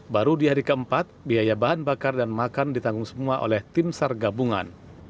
baru di hari ke empat biaya bahan bakar dan makan ditanggung semua oleh tim sargabungan